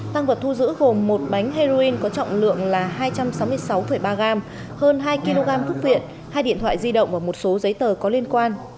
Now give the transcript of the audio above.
tăng vật thu giữ gồm một bánh heroin có trọng lượng là hai trăm sáu mươi sáu ba gram hơn hai kg thuốc viện hai điện thoại di động và một số giấy tờ có liên quan